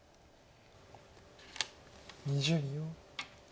２０秒。